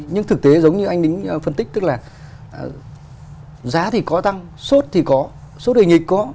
nhưng thực tế giống như anh đính phân tích tức là giá thì có tăng sốt thì có sốt đầy nghịch có